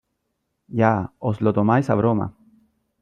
Ya , os lo tomáis a broma .